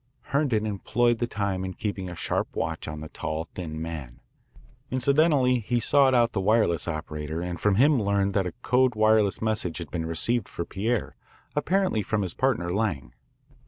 Herndon employed the time in keeping a sharp watch on the tall, thin man. Incidentally he sought out the wireless operator and from him learned that a code wireless message had been received for Pierre, apparently from his partner, Lang.